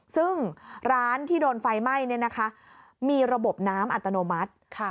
ซึ่งร้านที่โดนไฟไหม้มีระบบน้ำอัตโนมัติ